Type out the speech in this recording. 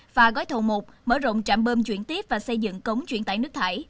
và gói thầu một mở rộng trạm bơm chuyển tiếp và xây dựng cống chuyển tải nước thải